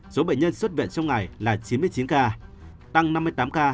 số bệnh nhân xuất viện trong ngày là chín mươi chín ca tăng năm mươi tám ca